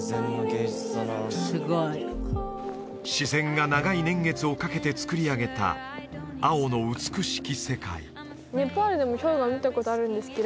自然が長い年月をかけてつくり上げた青の美しき